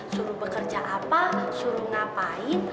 suruh bekerja apa suruh ngapain